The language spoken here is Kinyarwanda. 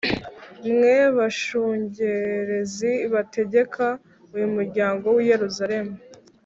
mwe bashungerezi, bategeka uyu muryango w’i Yeruzalemu.